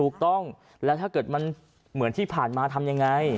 ถูกต้องแล้วถ้าเกิดมันเหมือนที่ผ่านมาทำยังไง